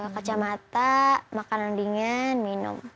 kacamata makanan dingin minum